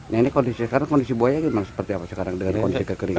nah ini kondisi sekarang kondisi buaya seperti apa sekarang dengan kondisi kekeringan